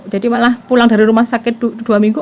jadi malah pulang dari rumah sakit dua minggu